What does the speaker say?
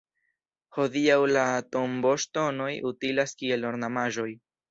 Hodiaŭ la tomboŝtonoj utilas kiel ornamaĵoj.